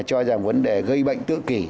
cho rằng vấn đề gây bệnh tự kỷ